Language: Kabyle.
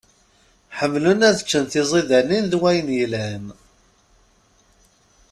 Ḥemmlen ad ččen tiẓidanin d wayen yelhan.